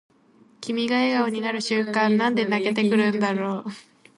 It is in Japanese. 君が笑顔になる瞬間なんで泣けてくるんだろう